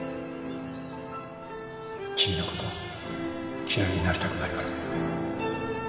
君の事嫌いになりたくないから。